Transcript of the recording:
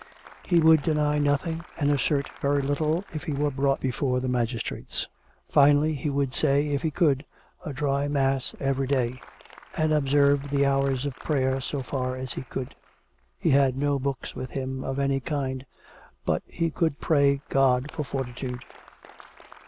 He would deny nothing and assert very little if he were brought before the magistrates. Finally, he would say, if he could, a dry mass every day; and observe the hours of prayer so far as he could. He had no books with him of any kind. But he could pray God for fortitude.